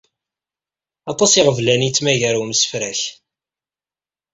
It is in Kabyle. Aṭas iɣeblan i yettmagar umsefrak.